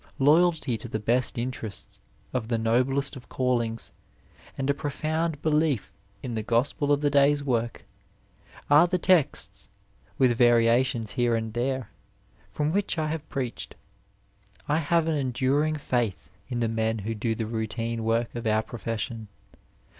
Loyalty to the best interests of the noblest of callings, and a profound belief in the gospel of the day's work are ike texts, with variations here and there, from which I have preached. I have an enduring faith in the men who do the routine work of our profession.